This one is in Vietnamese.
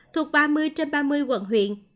thuộc ba mươi trên ba mươi quận huyện